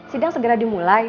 sidang segera dimulai